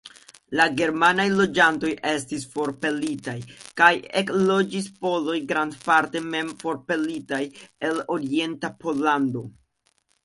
La germanaj loĝantoj estis forpelitaj, kaj ekloĝis poloj, grandparte mem forpelitaj el orienta Pollando.